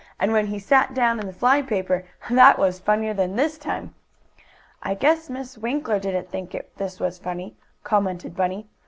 "And when he sat down in the fly paper! That was funnier than this time." "I guess Miss Winkler didn't think this was funny," commented Bunny.